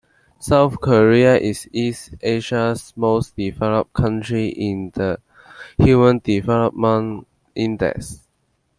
South Korea is East Asia's most developed country in the Human Development Index.